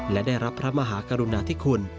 และได้รับพระมหากรุณาธิคุณ